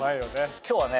今日はね